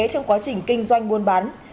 trong quá trình kinh doanh buôn bán